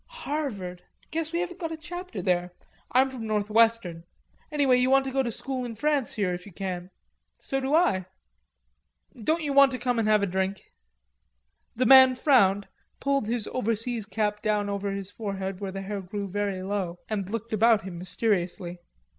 "Harvard.... Guess we haven't got a chapter there.... I'm from North Western. Anyway you want to go to school in France here if you can. So do I." "Don't you want to come and have a drink?" The man frowned, pulled his overseas cap down over his forehead, where the hair grew very low, and looked about him mysteriously.